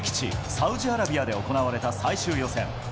サウジアラビアで行われた最終予選。